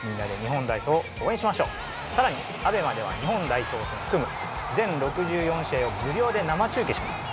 さらにＡＢＥＭＡでは日本代表戦を含む全６４試合を無料で生中継します。